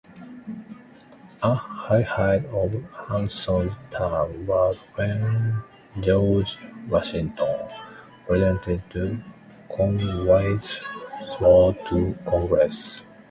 A highlight of Hanson's term was when George Washington presented Cornwallis's sword to Congress.